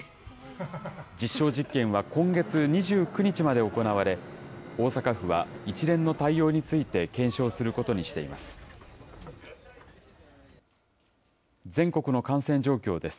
実証実験は今月２９日まで行われ、大阪府は、一連の対応について検証することにしています。